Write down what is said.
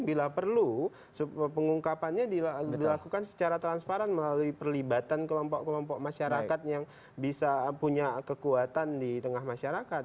bila perlu pengungkapannya dilakukan secara transparan melalui perlibatan kelompok kelompok masyarakat yang bisa punya kekuatan di tengah masyarakat